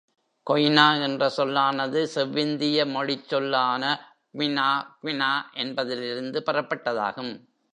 கொய்னா என்ற சொல்லானது செவ்விந்திய மொழிச் சொல்லான க்வினா க்வினா என்பதிலிருந்து பெறப்பட்டதாகும்.